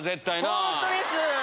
本当です。